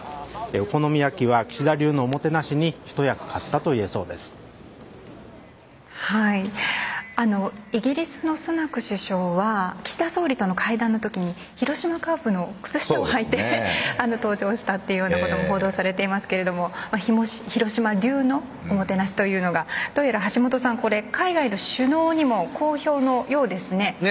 お好み焼きは岸田流のおもてなしにイギリスのスナク首相は岸田総理との会談のときに広島カープの靴下をはいて登場したとも報道されていますけど広島流のおもてなしというのがどうやら橋下さん海外の首脳にも好評なようですね。